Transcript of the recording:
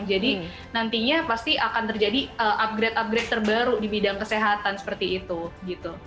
jadi nantinya pasti akan terjadi upgrade upgrade terbaru di bidang kesehatan seperti itu gitu